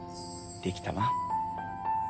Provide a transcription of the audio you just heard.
できたわ。